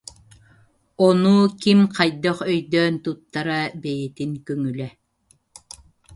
Ону ким хайдах өйдөөн туттара бэйэтин көҥүлэ